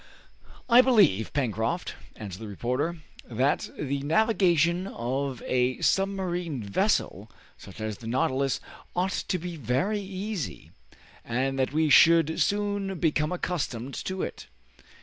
"I believe, Pencroft," answered the reporter, "that the navigation of a submarine vessel such as the 'Nautilus' ought to be very easy, and that we should soon become accustomed to it.